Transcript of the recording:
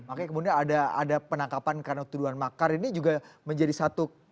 makanya kemudian ada penangkapan karena tuduhan makar ini juga menjadi satu